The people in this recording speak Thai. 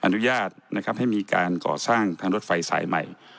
อนุญาตนะครับให้มีการก่อสร้างทางรถไฟสายใหม่